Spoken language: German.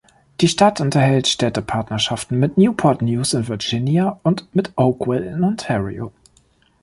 Die Stadt unterhält Städtepartnerschaften mit Newport News in Virginia und mit Oakville in Ontario.